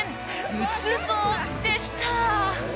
仏像でした。